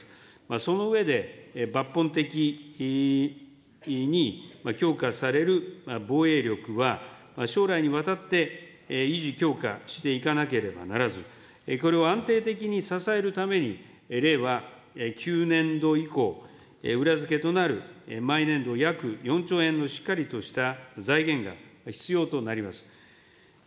その上で、抜本的に強化される防衛力は、将来にわたって維持、強化していかなければならず、これを安定的に支えるために、令和９年度以降、裏付けとなる毎年度約４兆円のしっかりとした財源が必要となります。